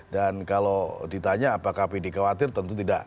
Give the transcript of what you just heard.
dan kalau ditanya apakah pd khawatir tentu tidak